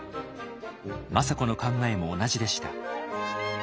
政子の考えも同じでした。